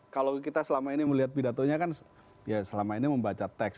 kalau kita selama ini melihat pidatonya kan ya selama ini membaca teks